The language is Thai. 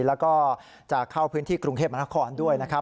แล้วก็จะเข้าพื้นที่กรุงเทพมนครด้วยนะครับ